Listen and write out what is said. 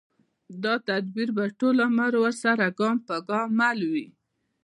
دا تدبیر به ټول عمر ورسره ګام پر ګام مل وي